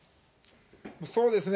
そうですね。